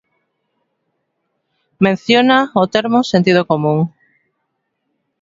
Menciona o termo sentido común.